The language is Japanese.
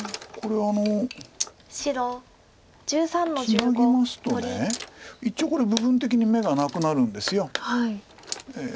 ツナぎますと一応これ部分的に眼がなくなるんです。